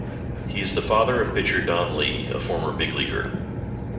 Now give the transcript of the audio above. He is the father of pitcher Don Lee, a former big leaguer.